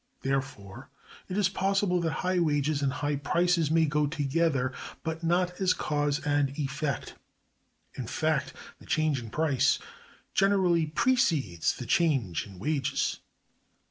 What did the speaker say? Therefore, it is possible that high wages and high prices may go together, but not as cause and effect. In fact, the change in price generally precedes the change in wages.